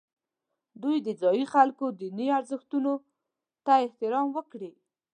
دوی د ځایي خلکو دیني ارزښتونو ته احترام وکړي.